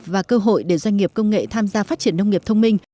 và cơ hội để doanh nghiệp công nghệ tham gia phát triển nông nghiệp thông minh